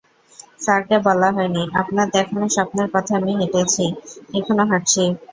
স্যারকে বলা হয়নি, আপনার দেখানো স্বপ্নের পথে আমি হেঁটেছি, এখনো হাঁটছি।